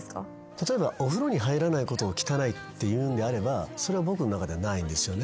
例えばお風呂に入らないことを汚いっていうんであればそれは僕の中ではないんですよね。